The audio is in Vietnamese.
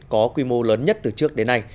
có quy mô lớn nhất từ trước đến nay